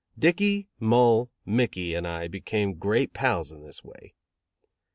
Dickey, Mull, Mickey and I became great pals in this way.